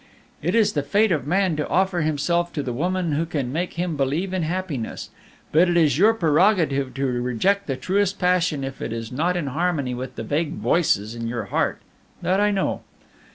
"It is the fate of man to offer himself to the woman who can make him believe in happiness; but it is your prerogative to reject the truest passion if it is not in harmony with the vague voices in your heart that I know.